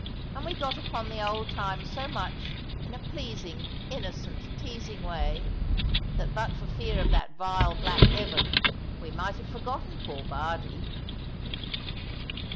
And we got upon the old times so much, in a pleasing, innocent, teasing way, that but for fear of that vile black Evan we might have forgotten poor Bardie.